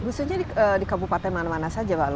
maksudnya di kabupaten mana mana saja pak longki